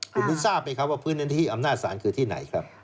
คุณมิ้นทราบไหมครับว่าพื้นที่อำนาจศาลคือที่ไหนครับ